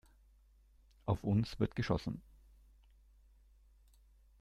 Auf uns wird geschossen!